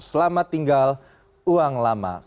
selamat tinggal uang lama